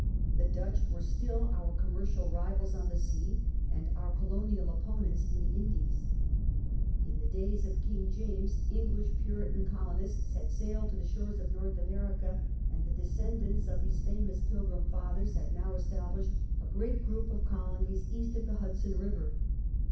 The Dutch were still our commercial rivals on the sea The Dutch and our colonial opponents in the Indies. In war, 1665 1667. the days of King James Enghsh Puritan colon ists had sailed to the shores of North America, and the descendants of these famous " Pilgrim Fathers " had now established a great group of colonies east of the Hudson river.